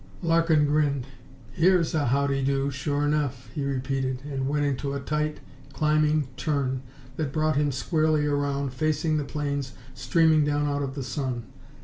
Larkin grinned. "Here is a howdy do sure 'nuff!" he repeated and went into a tight, climbing turn that brought him squarely around, facing the planes streaming down out of the sun.